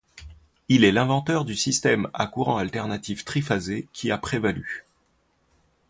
Il est l'inventeur du système à courant alternatif triphasé qui a prévalu.